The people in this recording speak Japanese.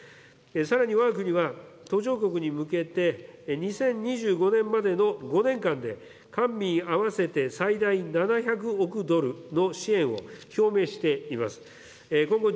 さらにわが国は途上国に向けて、２０２５年までの５年間で、官民合わせて最大７００億ドルの支援を表明しています。